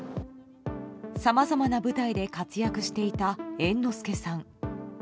さまざまな舞台で活躍していた猿之助さん。